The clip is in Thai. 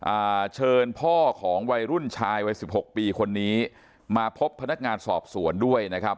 อ่าเชิญพ่อของวัยรุ่นชายวัยสิบหกปีคนนี้มาพบพนักงานสอบสวนด้วยนะครับ